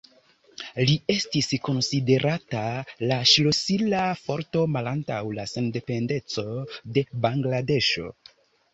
Li estis konsiderata la ŝlosila forto malantaŭ la sendependeco de Bangladeŝo.